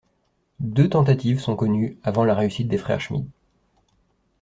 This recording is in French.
Deux tentatives sont connues avant la réussite des frères Schmid.